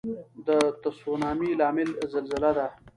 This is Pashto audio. د تسونامي لامل زلزله ده.